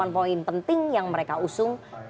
delapan poin penting yang mereka usung